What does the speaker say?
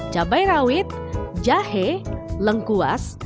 cabai rawit jahe lengkuas